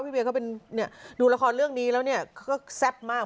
พี่เวียเขาเป็นเนี่ยดูละครเรื่องนี้แล้วเนี่ยเขาก็แซ่บมาก